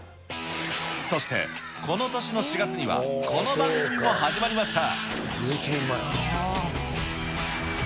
そしてこの年の４月には、この番組も始まりました。